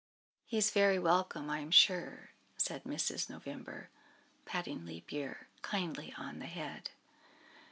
"He is very welcome, I am sure," said Mrs. November, patting Leap Year kindly on the head.